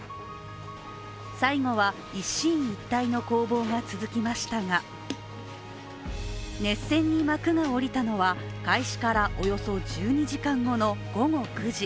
最後は一進一退の攻防が続きましたが熱戦に幕が下りたのは開始からおよそ１２時間後の午後９時。